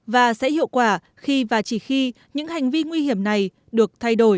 và sẽ hiệu quả khi và chỉ khi những hành vi nguy hiểm này được thay đổi